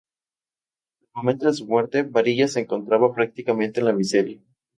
Al momento de su muerte, Barillas se encontraba prácticamente en la miseria.